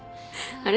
あれ？